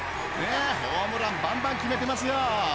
［ホームランばんばん決めてますよ］